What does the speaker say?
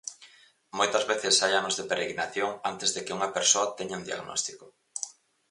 Moitas veces hai anos de peregrinación antes de que unha persoa teña un diagnóstico.